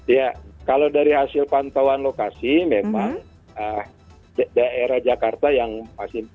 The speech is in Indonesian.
ya kalau dari hasil pantauan lokasi memang daerah jakarta yang masih